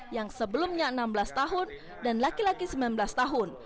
yang sebelumnya enam belas tahun dan laki laki sembilan belas tahun